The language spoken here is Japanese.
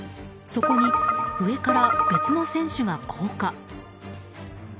そこに、上から別の選手が降下。